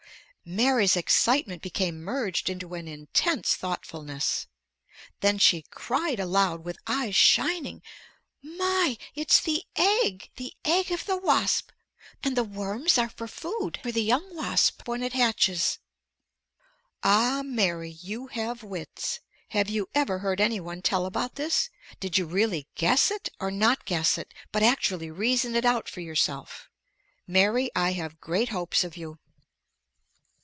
Mary's excitement became merged into an intense thoughtfulness. Then she cried aloud with eyes shining: "My, it's the egg! the egg of the wasp! and the worms are for food for the young wasp when it hatches!" Ah, Mary, you have wits! Have you ever heard any one tell about this? Did you really guess it, or not guess it, but actually reason it out for yourself? Mary, I have great hopes of you.